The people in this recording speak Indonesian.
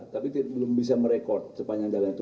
tapi belum bisa merekod sepanjang jalan itu